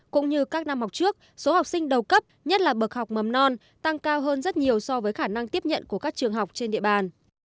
cũng như các năm học trước số học sinh đầu cấp nhất là bậc học mầm non tăng cao hơn rất nhiều so với khả năng tiếp nhận của các trường học trên địa bàn